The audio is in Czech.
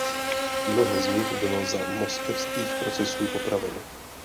Mnoho z nich bylo za moskevských procesů popraveno.